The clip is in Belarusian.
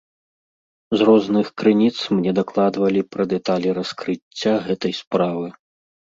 З розных крыніц мне дакладвалі пра дэталі раскрыцця гэтай справы.